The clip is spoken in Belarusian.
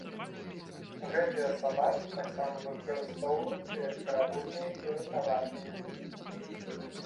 Гэтыя сабакі таксама выкарыстоўваюцца як каравульныя і ратавальныя.